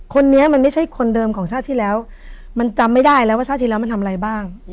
คนนี้มันไม่ใช่คนเดิมของชาติที่แล้วมันจำไม่ได้แล้วว่าชาติที่แล้วมันทำอะไรบ้าง